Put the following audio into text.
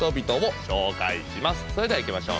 それではいきましょう！